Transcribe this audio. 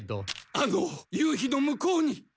あの夕日の向こうに！